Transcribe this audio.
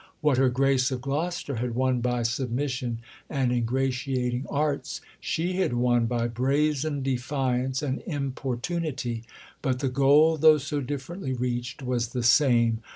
What her Grace of Gloucester had won by submission and ingratiating arts, she had won by brazen defiance and importunity. But the goal, though so differently reached, was the same.